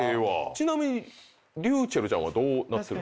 ちなみにｒｙｕｃｈｅｌｌちゃんはどうなってる？